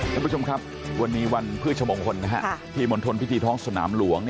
ท่านผู้ชมครับวันนี้วันพฤชมงคลที่มณฑลพิธีท้องสนามหลวง